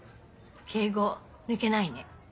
敬語抜けないね。